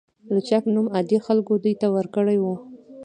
لوچک نوم عادي خلکو دوی ته ورکړی و.